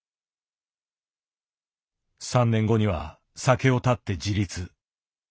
３年後には酒を断って自立。